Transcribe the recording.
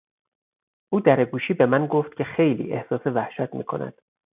او درگوشی به من گفت که خیلی احساس وحشت میکند.